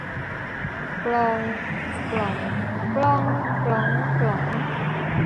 กลอง กล่อง กล้อง กล๊อง กล๋อง